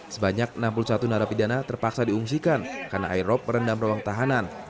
sebanyak enam puluh satu narapidana terpaksa diungsikan karena aerob merendam ruang tahanan